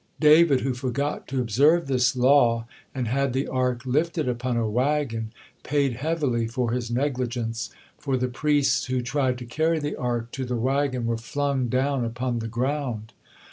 David, who forgot to observe this law and had the Ark lifted upon a wagon, paid heavily for his negligence, for the priests who tried to carry the Ark to the wagon were flung down upon the ground.